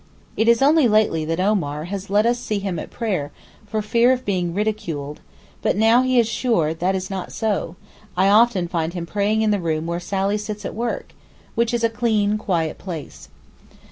It is only lately that Omar has let us see him at prayer, for fear of being ridiculed, but now he is sure that is not so, I often find him praying in the room where Sally sits at work, which is a clean, quiet place.